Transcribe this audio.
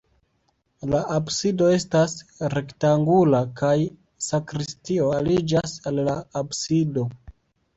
La absido estas rektangula kaj sakristio aliĝas al la absido.